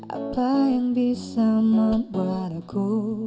apa yang bisa membuat aku